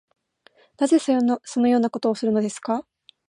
なぜそのようなことをするのですか